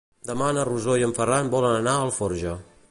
Demà na Rosó i en Ferran volen anar a Alforja.